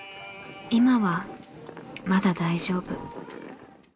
今はまだ大丈夫。